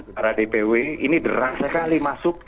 para dpw ini derang sekali masuk